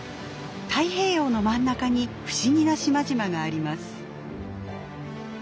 太平洋の真ん中に不思議な島々があります。